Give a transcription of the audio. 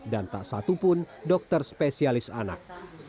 dan tak satupun dokter spesialis anak